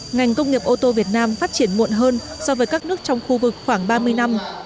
ngành công nghiệp ô tô việt nam phát triển muộn hơn so với các nước trong khu vực khoảng ba mươi năm